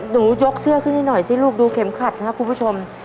ยกเสื้อขึ้นให้หน่อยสิลูกดูเข็มขัดนะครับคุณผู้ชม